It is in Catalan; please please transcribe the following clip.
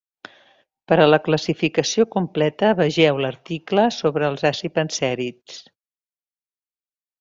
Per a la classificació completa vegeu l'article sobre els acipensèrids.